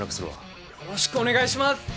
よろしくお願いします！